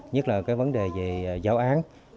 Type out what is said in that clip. nhất là cái vấn đề về giáo án